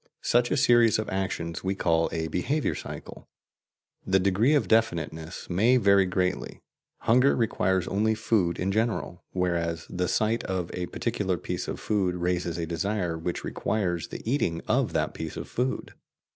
Such a series of actions we call a "behaviour cycle." The degree of definiteness may vary greatly: hunger requires only food in general, whereas the sight of a particular piece of food raises a desire which requires the eating of that piece of food.